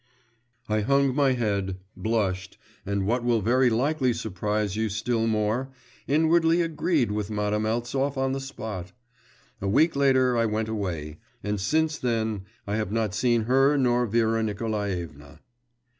I hung my head, blushed, and, what will very likely surprise you still more, inwardly agreed with Madame Eltsov on the spot. A week later I went away, and since then I have not seen her nor Vera Nikolaevna.